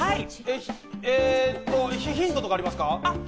ヒントとかありますか？